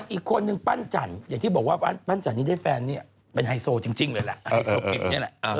อีกคนนึงปั้นจันทร์อย่างที่บอกว่าปั้นจันนี้ได้แฟนเนี่ยเป็นไฮโซจริงเลยแหละไฮโซปิ๊บนี่แหละ